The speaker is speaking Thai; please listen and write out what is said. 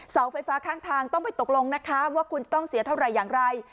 เสาไฟฟ้าข้างทางต้องไปตกลงนะคะว่าคุณต้องเสียเท่าไหร่อย่างไร